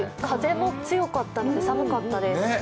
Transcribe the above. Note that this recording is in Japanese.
風が強かったので寒かったです。